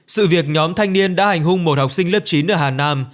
sự việc nhóm thanh niên đã hành hung một học sinh lớp chín ở hà nam